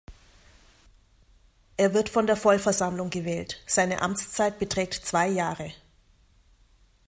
Er wird von der Vollversammlung gewählt, seine Amtszeit beträgt zwei Jahre.